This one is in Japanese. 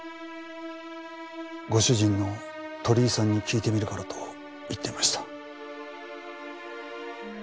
ご主人の鳥居さんに聞いてみるからと言っていました。